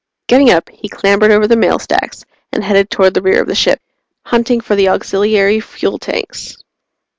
Getting up, he clambered over the mail sacks and headed toward the rear of the ship, hunting for the auxiliary fuel tanks.